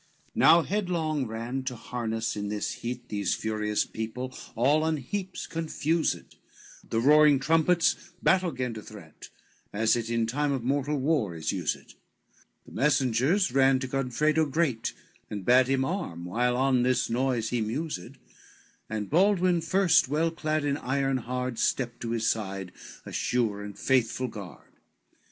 LXXV Now headlong ran to harness in this heat These furious people, all on heaps confused, The roaring trumpets battle gan to threat, As it in time of mortal war is used, The messengers ran to Godfredo great, And bade him arm, while on this noise he mused, And Baldwin first well clad in iron hard, Stepped to his side, a sure and faithful guard.